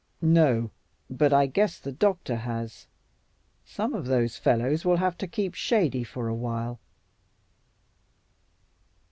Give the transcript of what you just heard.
"No, but I guess the doctor has. Some of those fellows will have to keep shady for a while."